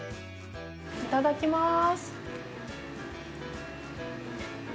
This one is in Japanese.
いただきます。